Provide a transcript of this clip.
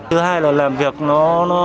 thứ hai là làm việc nó